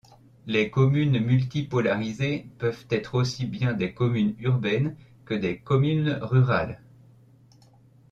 Les communes multipolarisées peuvent être aussi bien des communes urbaines que des communes rurales.